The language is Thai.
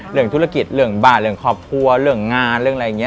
เรื่องธุรกิจเรื่องบ้านเรื่องครอบครัวเรื่องงานเรื่องอะไรอย่างนี้